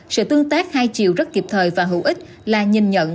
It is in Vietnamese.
sự tương tác hai chiều rất kịp thời và hữu ích là nhìn nhận